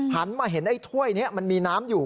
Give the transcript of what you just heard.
หันมาเห็นไอ้ถ้วยนี้มันมีน้ำอยู่